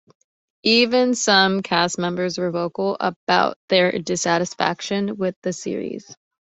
Even some castmembers were vocal about their dissatisfaction with the series.